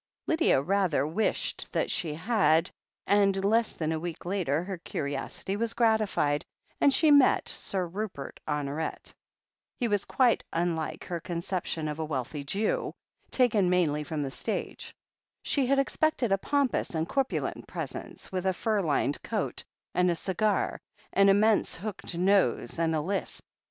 Lydia rather wished that she had, and less than a week later her curiosity was gratified, and she met Sir Rupert Honoret. He was quite unlike her conception of a wealthy Jew, 246 THE HEEL OF ACHILLES taken mainly from the stage. She had expected a pompous and corpulent presence, with a fur lined coat, and a cigar, an immense hooked nose and a lisp.